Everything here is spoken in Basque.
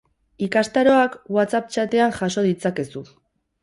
Ikastaroak WhatsApp txatean jaso ditzakezu.